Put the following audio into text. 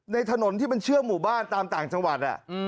ถนนที่มันเชื่อหมู่บ้านตามต่างจังหวัด